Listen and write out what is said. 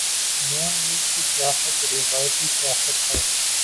ن لیگ کی سیاست روایتی سیاست ہے۔